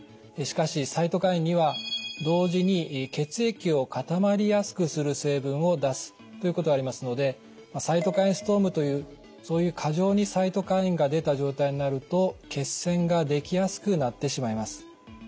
しかしサイトカインには同時に血液を固まりやすくする成分を出すということがありますのでサイトカインストームというそういう過剰にサイトカインが出た状態になると血栓ができやすくなってしまいます。